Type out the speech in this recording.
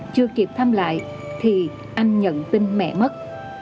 chưa kịp thăm lại thì anh nhận tin mẹ mất